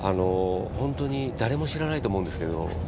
ホントに誰も知らないと思うんですけど。